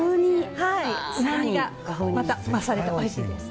うまみがまた増されておいしいです。